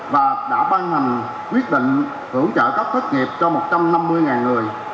và đã ban hành quyết định hưởng trợ cấp thất nghiệp cho một trăm năm mươi người